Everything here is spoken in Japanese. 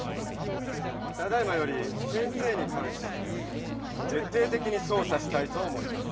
ただいまより先生にかんしててっていてきに捜査したいと思います。